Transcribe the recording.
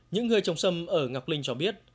những người trồng sâm ở ngọc linh cho biết